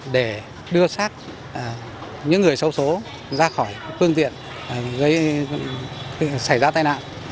để đưa sát những người sâu số ra khỏi phương tiện xảy ra tai nạn